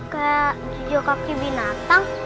kayak jejak kaki binatang